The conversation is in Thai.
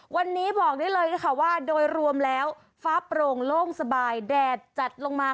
วันนี้บอกได้เลยนะคะว่าโดยรวมแล้วฟ้าโปร่งโล่งสบายแดดจัดลงมา